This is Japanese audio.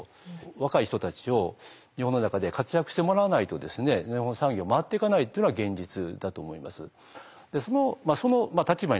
若い人たちを日本の中で活躍してもらわないと日本産業回っていかないっていうのが現実だと思います。